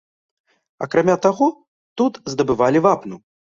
Акрамя таго, тут здабывалі вапну.